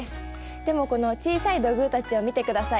でもこの小さい土偶たちを見てください。